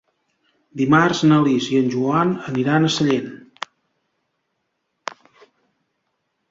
Dimarts na Lis i en Joan aniran a Sallent.